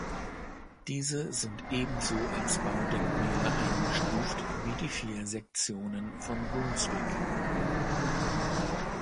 Diese sind ebenso als Baudenkmäler eingestuft wie die vier Sektionen von Brunswick.